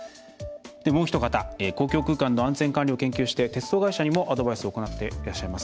もうお一方、公共空間の安全管理を研究して鉄道会社にもアドバイスを行っていらっしゃいます